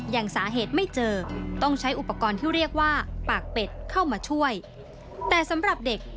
อย่างสาเหตุไม่เจอ